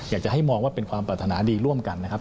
อยากจะให้มองว่าเป็นความปรารถนาดีร่วมกันนะครับ